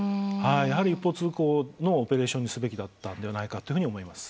やはり一方通行のオペレーションにするべきだったと思います。